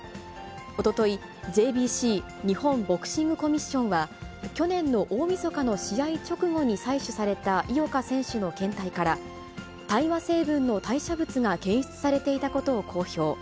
おととい、ＪＢＣ・日本ボクシングコミッションは、去年の大みそかの試合直後に採取された井岡選手の検体から、大麻成分の代謝物が検出されていたことを公表。